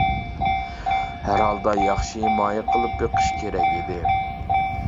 ھەر ھالدا ياخشى ھىمايە قىلىپ بېقىش كېرەك ئىدى.